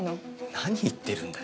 何言ってるんだよ。